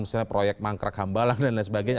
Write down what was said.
misalnya proyek mangkrak hambalang dan lain sebagainya